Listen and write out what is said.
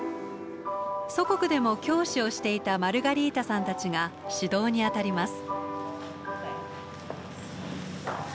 祖国でも教師をしていたマルガリータさんたちが指導に当たります。